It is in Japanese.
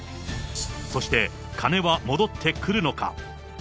そして、金は戻ってくるのか。